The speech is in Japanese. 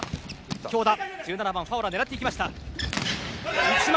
強打、１７番、ファオラを狙っていきました。